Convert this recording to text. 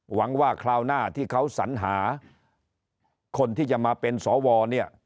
หวังว่าคราวหน้าที่เขาสัญหาคนที่จะมาเป็นสวเนี่ย